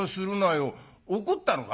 怒ったのか？」。